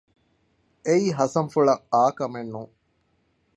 އެއީ ހަސަންފުޅަށް އާކަމެއް ނޫން